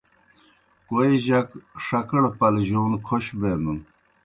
کوئے جک ݜکَڑ پلجون کھوش بینَن۔